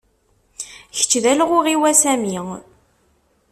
Kečč d alɣuɣ-iw, a Sami.